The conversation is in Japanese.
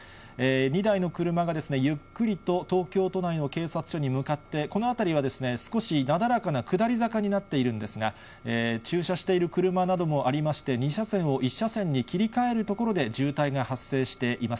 ２台の車がゆっくりと東京都内を警察署に向かって、この辺りは少しなだらかな下り坂になっているんですが、駐車している車などもありまして、２車線を１車線に切り替えるところで渋滞が発生しています。